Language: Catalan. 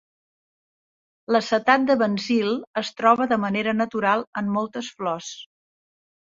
L'acetat de benzil es troba de manera natural en moltes flors.